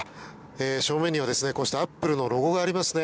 正面には、こうしたアップルのロゴがありますね。